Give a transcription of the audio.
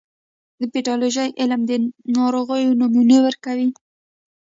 د پیتالوژي علم د ناروغیو نومونه ورکوي.